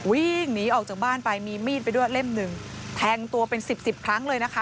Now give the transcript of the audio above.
วิ่งหนีออกจากบ้านไปมีมีดไปด้วยเล่มหนึ่งแทงตัวเป็นสิบสิบครั้งเลยนะคะ